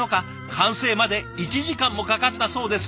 完成まで１時間もかかったそうです。